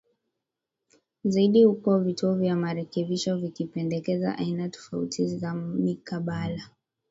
zaidi huku vituo vya marekebisho vikipendekeza aina tofauti za mikabala